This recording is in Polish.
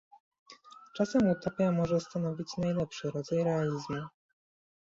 Czasem utopia może stanowić najlepszy rodzaj realizmu